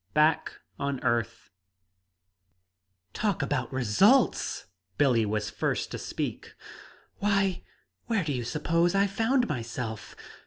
II BACK ON EARTH "Talk about results!" Billie was first to speak. "Why where do you suppose I found myself?